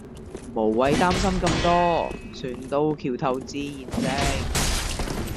無謂擔心咁多船到橋頭自然直